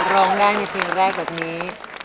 โรงงานที่เพียงแรกแบบนี้